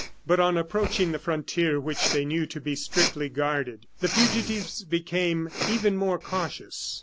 But on approaching the frontier, which they knew to be strictly guarded, the fugitives became even more cautious.